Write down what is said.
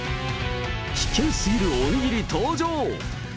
危険すぎるおにぎり登場。